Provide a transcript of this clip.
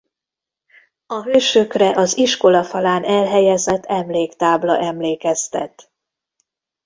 A hősökre az iskola falán elhelyezett emléktábla emlékeztet.